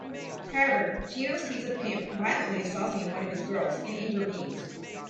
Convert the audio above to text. However, Gino sees a pimp violently assaulting one of his girls and intervenes.